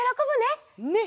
ねっ！